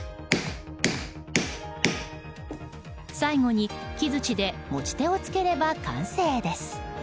最後に木づちで持ち手を付ければ完成です。